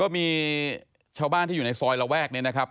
มีชาวบ้านที่อยู่ในซอยระแวกนี้นะครับ